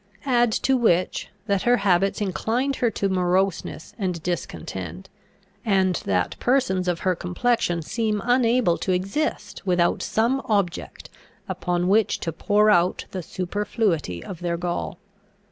Add to which, that her habits inclined her to moroseness and discontent, and that persons of her complexion seem unable to exist without some object upon which to pour out the superfluity of their gall.